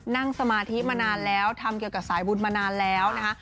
นั่งสมาธิมานานแล้วทำเกี่ยวกับสายบุญมานานแล้วนะคะ